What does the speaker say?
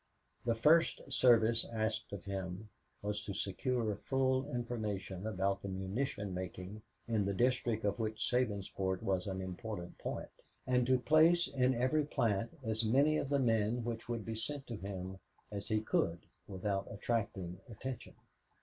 The first service asked of him was to secure full information about the munition making in the district of which Sabinsport was an important point, and to place in every plant as many of the men which would be sent to him as he could without attracting attention.